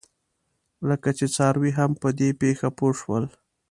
لکه چې څاروي هم په دې پېښه پوه شول.